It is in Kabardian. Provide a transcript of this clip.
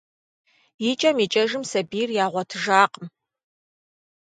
Икӏэм-икӏэжым сабийр ягъуэтыжакъым.